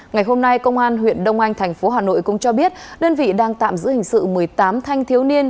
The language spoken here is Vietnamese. ngày hôm nay công an huyện đông anh thành phố hà nội cũng cho biết đơn vị đang tạm giữ hình sự một mươi tám thanh thiếu niên